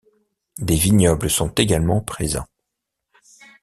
Des vignobles sont également présents.